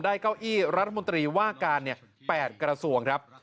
เก้าอี้รัฐมนตรีว่าการ๘กระทรวงครับ